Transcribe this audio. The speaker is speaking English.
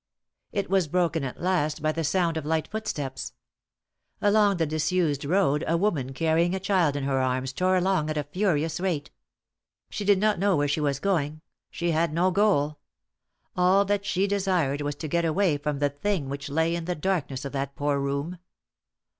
It was broken at last by the sound of light footsteps. Along the disused road a woman carrying a child in her arms tore along at a furious rate. She did not know where she was going; she had no goal. All that she desired was to get away from the thing which lay in the darkness of that poor room.